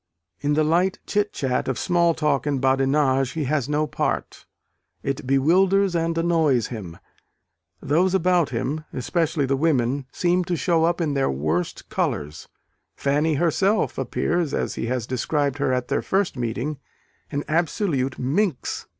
In the light chit chat of small talk and badinage he has no part: it bewilders and annoys him. Those about him especially the women seem to show up in their worst colours. Fanny herself appears, as he has described her at their first meeting, an absolute minx.